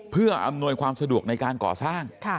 เพื่ออำนวยความสะดวกในการก่อสร้าง